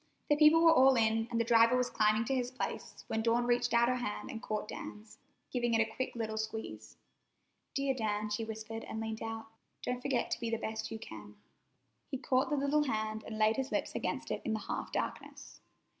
The people were all in, and the driver was climbing to his place, when Dawn reached out her hand and caught Dan's, giving it a quick little squeeze. "Dear Dan," she whispered as she leaned out, "don't forget to be the best you can." He caught the little hand and laid his lips against it in the half darkness.